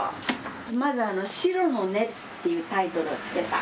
まず「白の音」っていうタイトルをつけた。